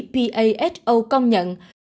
paho công nhận